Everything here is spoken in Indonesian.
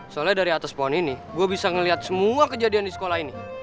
soalnya dari atas pohon ini gue bisa melihat semua kejadian di sekolah ini